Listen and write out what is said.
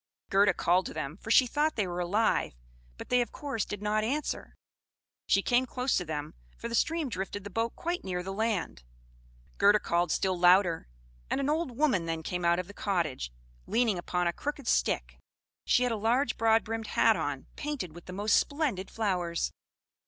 Gerda called to them, for she thought they were alive; but they, of course, did not answer. She came close to them, for the stream drifted the boat quite near the land. Gerda called still louder, and an old woman then came out of the cottage, leaning upon a crooked stick. She had a large broad brimmed hat on, painted with the most splendid flowers.